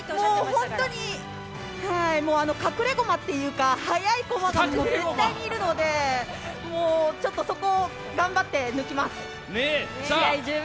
本当に隠れごまというか、速いこまが絶対にいるのでちょっとそこを頑張って抜きます。